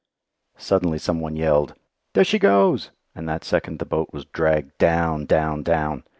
Suddenly some one yelled, "There she goes!" and that second the boat was dragged down, down, down.